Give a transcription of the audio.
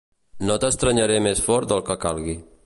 No t'estrenyeré més fort del que calgui.